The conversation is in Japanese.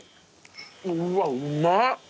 うわうま。